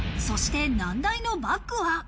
そして難題のバッグは？